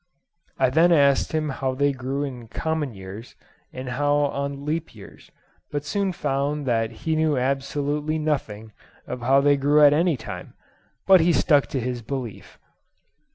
I then asked him how they grew in common years and how on leap years, but soon found that he knew absolutely nothing of how they grew at any time, but he stuck to his belief.